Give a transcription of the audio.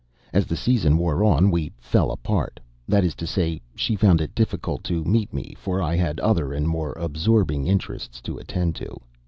As the season wore on, we fell apart that is to say, she found it difficult to meet me, for I had other and more absorbing interests to attend to.